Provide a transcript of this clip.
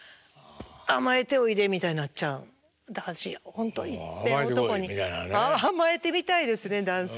本当はいっぺん男に甘えてみたいですね男性に。